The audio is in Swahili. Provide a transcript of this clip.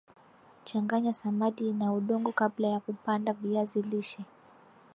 Changanya samadi na udongo kabla ya kupanda viazi lishe